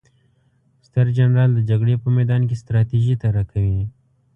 ستر جنرال د جګړې په میدان کې ستراتیژي طرحه کوي.